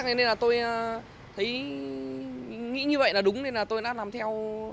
nên là tôi nghĩ như vậy là đúng nên là tôi đã làm theo